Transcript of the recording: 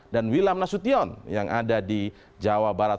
dan wilam nasution yang ada di jawa barat